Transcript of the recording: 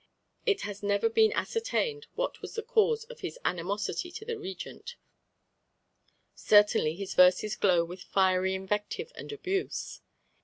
It has never been ascertained what was the cause of his animosity to the Regent; certainly his verses glow with fiery invective and abuse.